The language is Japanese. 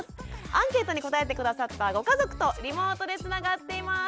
アンケートに答えて下さったご家族とリモートでつながっています。